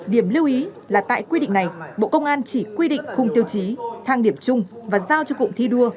điểm lưu ý là tại quy định này bộ công an chỉ quy định khung tiêu chí thang điểm chung và giao cho cụm thi đua